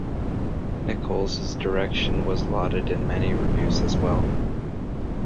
Nichols' direction was lauded in many reviews as well.